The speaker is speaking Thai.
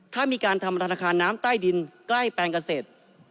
ถ้ามีการทำธนาคารน้ำใต้ดินใกล้แปลงเกษตร